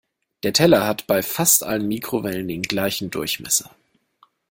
Der Teller hat bei fast allen Mikrowellen den gleichen Durchmesser.